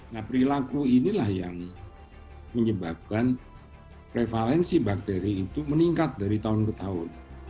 nah perilaku inilah yang menyebabkan prevalensi bakteri itu meningkat dari tahun ke tahun